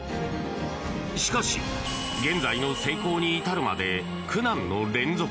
しかし、現在の成功に至るまで苦難の連続。